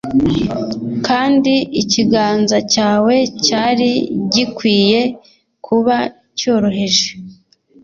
kandi ikiganza cyawe cyari gikwiye kuba cyoroheje